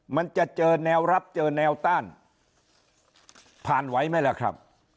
มันจะเจอแนวรับเจอแนวต้านผ่านไหวไหมล่ะครับ